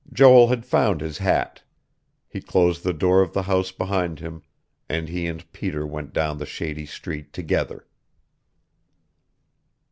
Joel had found his hat. He closed the door of the house behind him, and he and Peter went down the shady street together.